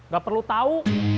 gak perlu tau